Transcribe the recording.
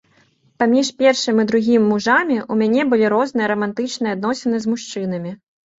Паміж першым і другім мужамі ў мяне былі розныя рамантычныя адносіны з мужчынамі.